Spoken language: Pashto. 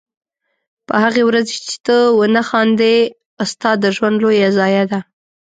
په هغې ورځ چې ته ونه خاندې ستا د ژوند لویه ضایعه ده.